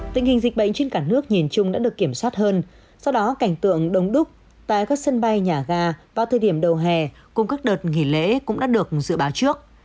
tình hình dịch bệnh trên cả nước nhìn chung đã được kiểm soát hơn do đó cảnh tượng đông đúc tại các sân bay nhà ga vào thời điểm đầu hè cùng các đợt nghỉ lễ cũng đã được dự báo trước